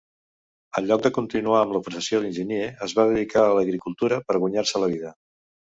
En lloc de continuar amb la professió d'enginyer, es va dedicar a l'agricultura per guanyar-se la vida.